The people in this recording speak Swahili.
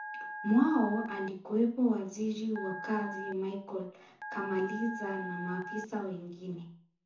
mwao alikuwepo Waziri wa kazi Michael kamaliza na maafisa wengine